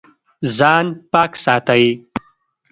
ځان پاک ساتئ